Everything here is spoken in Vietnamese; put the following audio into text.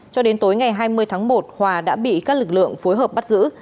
cho đến tối ngày hai mươi tháng một hòa đã bị các lực lượng phối hợp bắt giữ